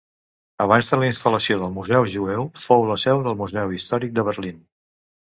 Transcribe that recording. Abans de la instal·lació del museu jueu, fou la seu del museu històric de Berlín.